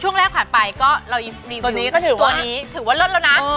ช่วงแรกผ่านไปก็เรายังมีตัวนี้ตัวนี้ถือว่าเลิศแล้วนะ